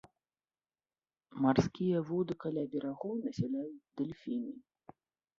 Марскія воды каля берагоў насяляюць дэльфіны.